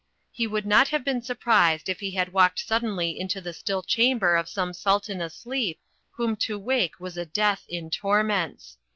He would not have been surprised if he had walked suddenly into the still chamber of some Sultan asleep, whom to wake was a death in torments.